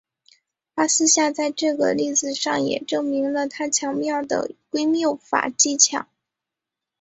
巴斯夏在这个例子上也证明了他巧妙的归谬法技巧。